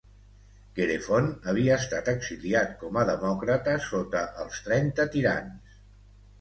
Querefont havia estat exiliat com a demòcrata sota els Trenta Tirans.